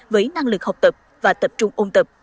với năng lực học tập và tập trung ôn tập